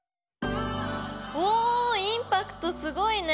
おおインパクトすごいね！